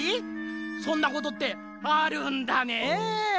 そんなことってあるんだねぇ。